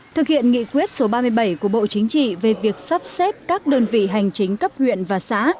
thực hiện nghị quyết số ba mươi bảy của bộ chính trị về việc sắp xếp các đơn vị hành chính cấp huyện và xã